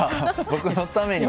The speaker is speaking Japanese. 僕のために。